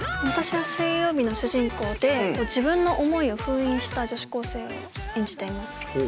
私は水曜日の主人公で自分の思いを封印した女子高生を演じています。